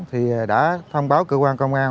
thì đã thông báo cơ quan công an